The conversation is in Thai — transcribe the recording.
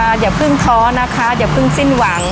อย่าเพิ่งท้อนะคะอย่าเพิ่งสิ้นหวัง